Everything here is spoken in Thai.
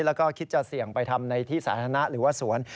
แล้วก็คิดจะเสี่ยงไปทำในที่สาธารณะหรือว่าสวน